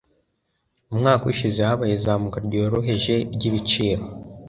Umwaka ushize habaye izamuka ryoroheje ryibiciro.